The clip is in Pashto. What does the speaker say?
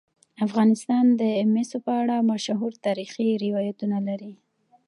افغانستان د مس په اړه مشهور تاریخی روایتونه لري.